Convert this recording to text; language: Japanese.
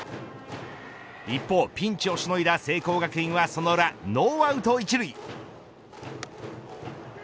一方、ピンチをしのいだ聖光学院はその裏ノーアウト１塁。